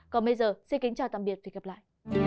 còn bây giờ xin kính chào tạm biệt và hẹn gặp lại